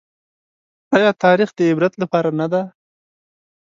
ايا تاريخ د عبرت لپاره نه دی؟